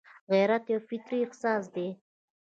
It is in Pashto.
غیرت یو فطري احساس دی